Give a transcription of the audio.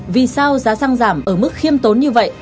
vì sao giá xăng giảm ở mức khiêm tốn như vậy